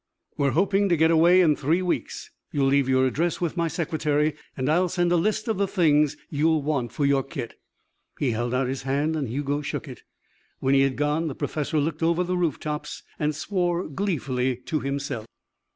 "We're hoping to get away in three weeks. You'll leave your address with my secretary and I'll send a list of the things you'll want for your kit." He held out his hand and Hugo shook it. When he had gone, the professor looked over the roof tops and swore gleefully to himself.